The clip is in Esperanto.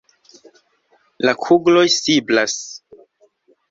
La kugloj siblas.